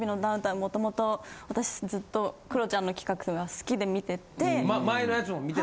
もともと私ずっとクロちゃんの企画が好きで見てて。